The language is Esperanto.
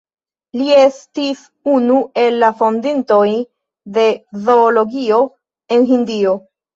Li estis unu el la fondintoj de zoologio en Hindio.